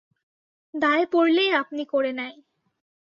দায়ে পড়লেই আপনি করে নেয়।